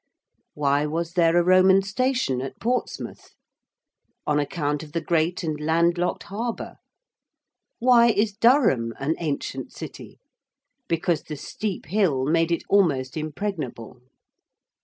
Why was there a Roman station at Portsmouth? On account of the great and landlocked harbour. Why is Durham an ancient city? Because the steep hill made it almost impregnable.